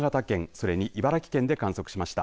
それに茨城県で観測しました。